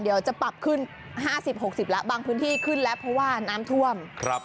เดี๋ยวจะปรับขึ้น๕๐๖๐แล้วบางพื้นที่ขึ้นแล้วเพราะว่าน้ำท่วม